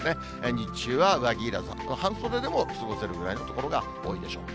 日中は上着いらず、半袖でも過ごせるぐらいの所が多いでしょう。